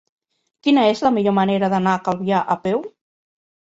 Quina és la millor manera d'anar a Calvià a peu?